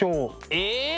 え！